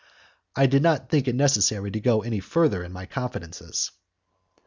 I did not think it necessary to go any further in my confidences.